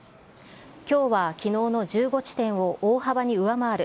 きょうはきのうの１５地点を大幅に上回る